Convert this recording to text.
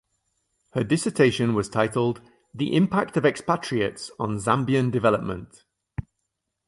Her dissertation was titled "The Impact of Expatriates on Zambian Development".